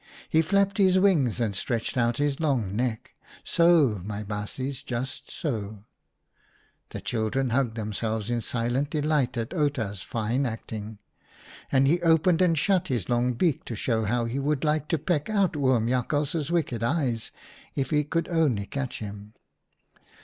He flapped his wings, and stretched out his long neck — so, my baasjes, just so " (the children HERON HAS CROOKED NECK 123 hugged themselves in silent delight at Outa's fine acting) —" and he opened and shut his long beak to show how he would like to peck out Oom Jakhals's wicked eyes if he could only catch him.